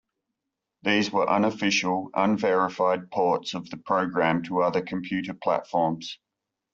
These were unofficial, unverified ports of the program to other computer platforms.